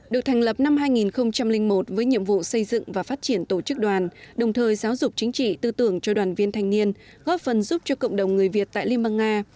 được thành lập năm hai nghìn một với nhiệm vụ xây dựng và phát triển tổ chức đoàn đồng thời giáo dục chính trị tư tưởng cho đoàn viên thanh niên góp phần giúp cho cộng đồng người việt tại liên bang nga